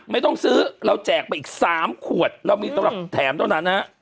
ไม่ต้องซื้อเราแจกไปอีก๓ขวดแล้วมีแถมเท่านั้น